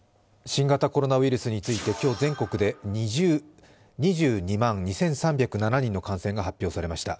新型コロナウイルスについて今日全国で２２万２３０７人の感染が発表されました。